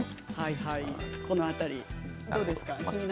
この辺り、どうですか。